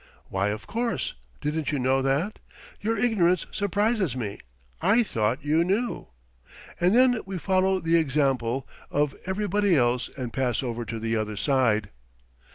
"Why, of course. Didn't you know that. Your ignorance surprises me; I thought you knew.". And then we follow the example of everybody else and pass over to the other side.